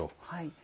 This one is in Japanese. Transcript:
はい。